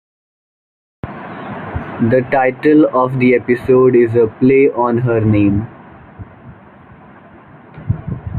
The title of the episode is a play on her name.